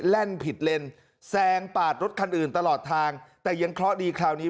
แล่นผิดเลนแซงปาดรถคันอื่นตลอดทางแต่ยังเคราะห์ดีคราวนี้